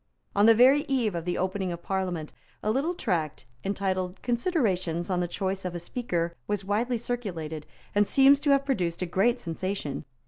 On the very eve of the opening of Parliament, a little tract entitled "Considerations on the Choice of a Speaker" was widely circulated, and seems to have produced a great sensation.